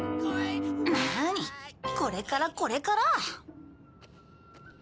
これからこれから。